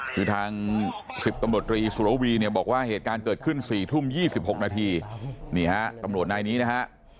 คือทาง๑๐ตำรวจตรีสุรวีเนี่ยบอกว่าเหตุการณ์เกิดขึ้น๔ทุ่ม๒๖นาทีนี่ฮะตำรวจนายนี้นะฮะ